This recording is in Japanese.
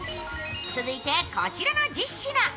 続いて、こちらの１０品。